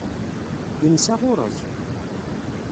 Yensa ɣur-k?